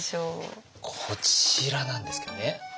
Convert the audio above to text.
こちらなんですけどねよいしょ。